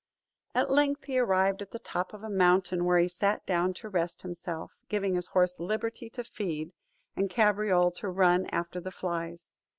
At length he arrived at the top of a mountain, where he sat down to rest himself; giving his horse liberty to feed, and Cabriole to run after the flies.